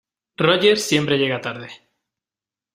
Roger siempre llega tarde.